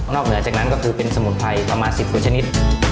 เหนือจากนั้นก็คือเป็นสมุนไพรประมาณ๑๐กว่าชนิด